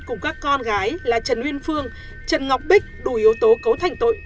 cùng các con gái là trần uyên phương trần ngọc bích đủ yếu tố cấu thành tội